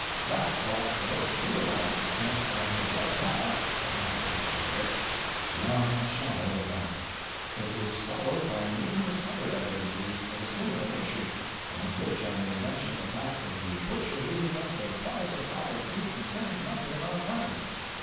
That brought the most realizing sense I had yet had that I was actually rich, beyond shadow of doubt. It was followed by numerous other evidences of a similar nature—among which I may mention the fact of the butcher leaving us a double supply of meat and saying nothing about money.